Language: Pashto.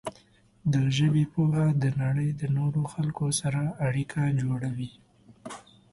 د ژبې پوهه د نړۍ د نورو خلکو سره اړیکه جوړوي.